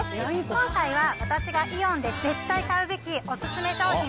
今回は私がイオンで絶対買うべきお勧め商品